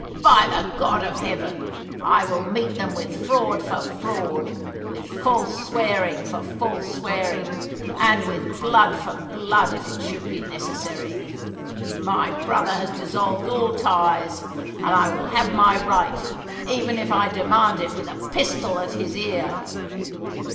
By the God of heaven, I will meet them with fraud for fraud, with false swearing for false swearing, and with blood for blood, if it should be necessary! My brother has dissolved all ties, and I will have my right, even if I demand it with a pistol at his ear."